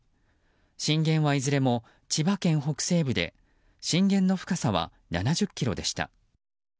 震源はいずれも千葉県北西部で震源の深さは７０ｋｍでした。